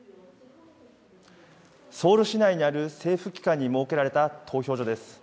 ソウル市内にある政府機関に設けられた投票所です。